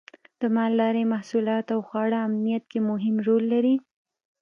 د مالدارۍ محصولات د خوړو امنیت کې مهم رول لري.